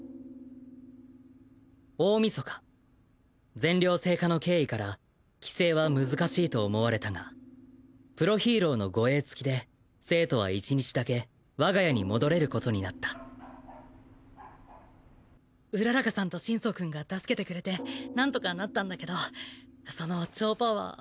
全寮制化の経緯から帰省は難しいと思われたがプロヒーローの護衛付きで生徒は１日だけ我が家に戻れることになった麗日さんと心操くんが助けてくれて何とかなったんだけどその超パワー。